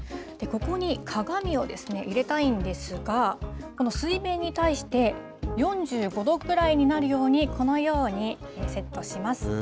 ここに鏡を入れたいんですが、水面に対して４５度くらいになるようにこのようにセットします。